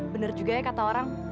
benar juga ya kata orang